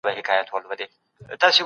ښه والی د نورو خلکو له ښه والي توپیر لري.